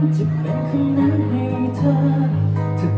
จะเป็นคืนนั้นให้เธอ